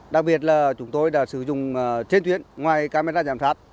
đặc biệt là chúng tôi đã sử dụng trên tuyến ngoài camera giám sát